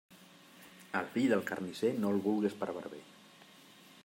El fill del carnisser no el vulgues per barber.